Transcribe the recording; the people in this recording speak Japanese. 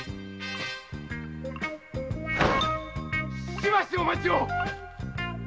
しばしお待ちを！